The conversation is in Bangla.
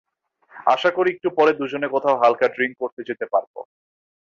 আশা করি একটু পরে দুজনে কোথাও হালকা ড্রিংক করতে যেতে পারব।